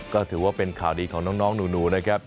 ก็ถือว่าเป็นข่าวดีของน้องหนูนะครับ